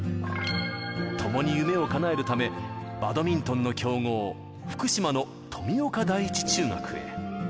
ともに夢をかなえるため、バドミントンの強豪、福島の富岡第一中学へ。